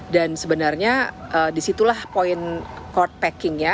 dan sebenarnya disitulah poin court packingnya